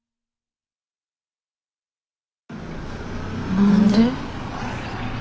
何で？